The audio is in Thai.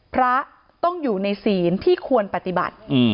พระต้องอยู่ในศีลที่ควรปฏิบัติ